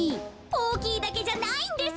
おおきいだけじゃないんです。